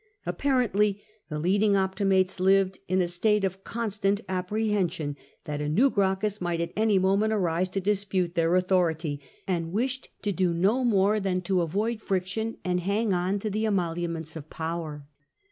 Apparently the leading Optimates lived in a state of constant apprehension that a new Gracchus might at any moment arise to dispute their authority, and wished to do no more than to avoid friction and hang on to the emoluments of power.